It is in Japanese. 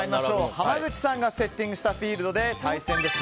濱口さんがセッティングしたフィールドで対戦です。